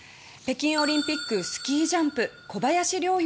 北京オリンピックスキージャンプ小林陵